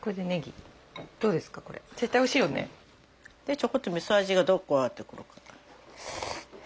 ちょこっと味噌味がどう加わってくるか。